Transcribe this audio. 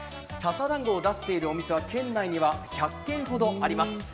ささだんごを出しているお店は県内には１００軒ほどあります。